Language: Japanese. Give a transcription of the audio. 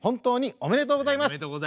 おめでとうございます。